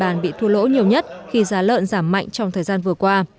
điện bán bị thua lỗ nhiều nhất khi giá lợn giảm mạnh trong thời gian vừa qua